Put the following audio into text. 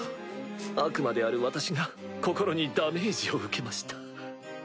悪魔である私が心にダメージを受けました。